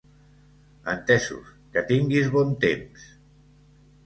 Entesos. Que tinguis bon temps!